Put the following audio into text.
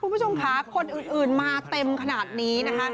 คุณผู้ชมค่ะคนอื่นมาเต็มขนาดนี้นะคะ